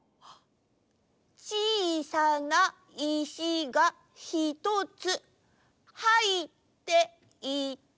「ちいさないしがひとつ、はいっていた」。